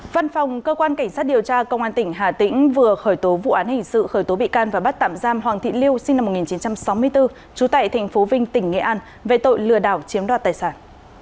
văn phòng cơ quan cảnh sát điều tra công an tỉnh hà tĩnh vừa khởi tố vụ án hình sự khởi tố bị can và bắt tạm giam hoàng thị lưu sinh năm một nghìn chín trăm sáu mươi bốn trú tại tp vinh tỉnh nghệ an về tội lừa đảo chiếm đoạt tài sản